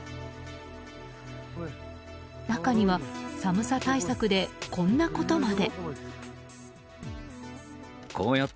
中には、寒さ対策でこんなことまで。